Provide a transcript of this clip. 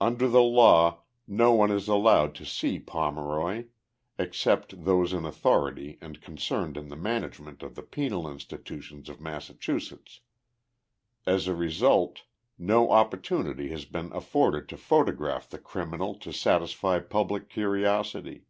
Under tiie law no one is allowed to see Pomeroy, except those in authority and concerned in the management of the penal insti tutions of Massachusetts. As a result no opportunity has been afforded to photograph the criminal to satisfy public curiosity.